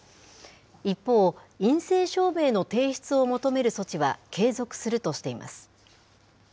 一方、陰性証明の提出を求める措置は継続するとしています。